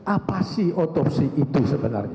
apa sih otopsi itu sebenarnya